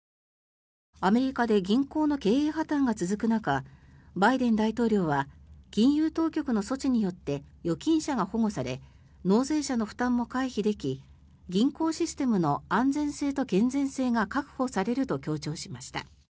アメリカで銀行の経営破たんが続く中バイデン大統領は金融当局の措置によって預金者が保護され納税者の負担も回避でき銀行システムの安全性と健全性が確保されると強調しました。